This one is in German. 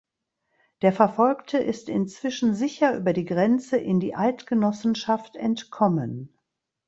Der Verfolgte ist inzwischen sicher über die Grenze in die Eidgenossenschaft entkommen.